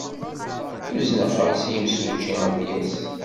Uzneɣ-as i yimsujji ad d-yas.